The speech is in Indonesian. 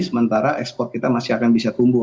sementara ekspor kita masih akan bisa tumbuh